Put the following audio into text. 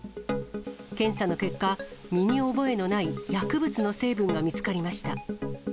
検査の結果、身に覚えのない薬物の成分が見つかりました。